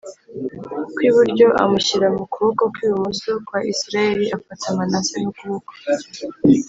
kw iburyo amushyira mu kuboko kw ibumoso kwa Isirayeli afata Manase n ukuboko